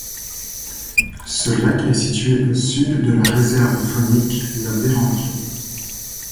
Ce lac est situé au sud de la réserve faunique La Vérendrye.